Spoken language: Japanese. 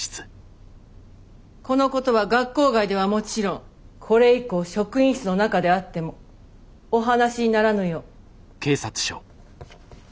このことは学校外ではもちろんこれ以降職員室の中であってもお話にならぬよう。